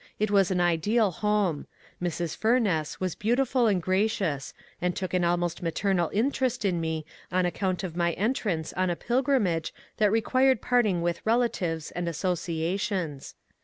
It was an ideal home. Mrs. Fumess was beautiful and gracious, and took an almost maternal interest in me on account of my entrance on a pil« 130 MONCURE DANIEL CONWAY grimage that required parting with relatives and associations.